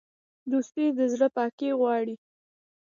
دوستي د زړه پاکي غواړي.